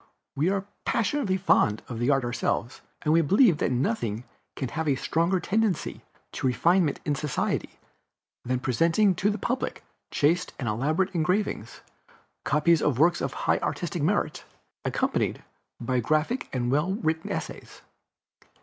We are passionately fond of art ourselves, and we believe that nothing can have a stronger tendency to refinement in society than presenting to the public chaste and elaborate engravings, copies of works of high artistic merit, accompanied by graphic and well written essays.